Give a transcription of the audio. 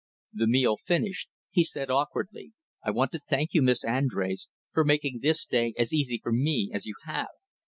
The meal finished, he said awkwardly, "I want to thank you, Miss Andrés, for making this day as easy for me as you have.